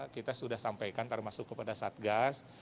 kita sudah sampaikan termasuk kepada satgas